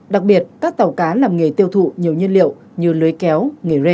đặc biệt các tàu cá làm nghề tiêu thụ nhiều nhiên liệu như lưới kéo nghề rê